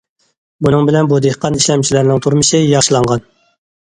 بۇنىڭ بىلەن بۇ دېھقان ئىشلەمچىلەرنىڭ تۇرمۇشى ياخشىلانغان.